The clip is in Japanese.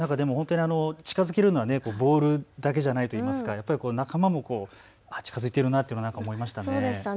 近づけるのはボールだけじゃないといいますか仲間も近づいているなと思いました。